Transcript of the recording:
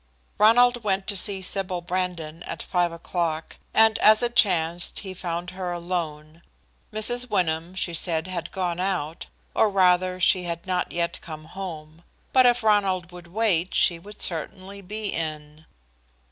Ronald went to see Sybil Brandon at five o'clock, and as it chanced he found her alone. Mrs. Wyndham, she said, had gone out, or rather she had not yet come home; but if Ronald would wait, she would certainly be in.